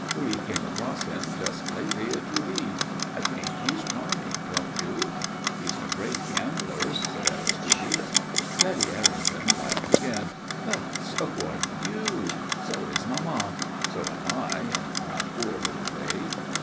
We came across him, just lately, at Trouville. I think he's charming, don't you?" "He's a great gambler," said Aristide. Betty Errington laughed again. "But so are you. So is mamma. So am I, in my poor little way."